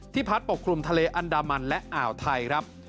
พัดปกคลุมทะเลอันดามันและอ่าวไทยครับ